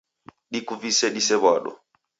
Dikuvise disew'ado.